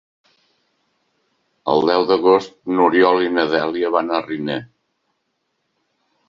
El deu d'agost n'Oriol i na Dèlia van a Riner.